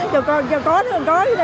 cho có cho có